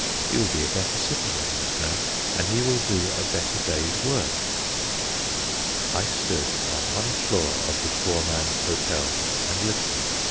He will be a better citizen, this man; and he will do a better day's work. I stood on one floor of the poor man's hotel and listened.